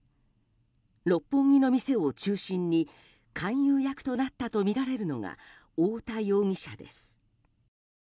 六本木の店を中心に勧誘役となったとみられるのが太田容疑者です。